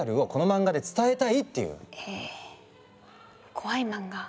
怖い漫画？